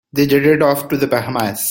They jetted off to the Bahamas.